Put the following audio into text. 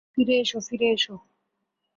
ফিরে এস, ফিরে এস।